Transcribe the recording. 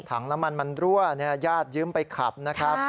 ถังน้ำมันมันรั่วญาติยืมไปขับนะครับ